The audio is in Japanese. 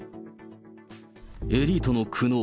エリートの苦悩。